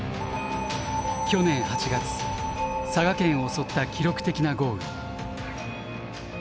去年８月佐賀県を襲った記録的な豪雨。